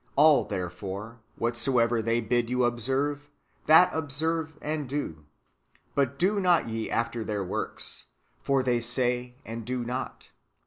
All, therefore, whatsoever they bid you observe, that observe and do ; but do not ye after their works : for they say, and do not.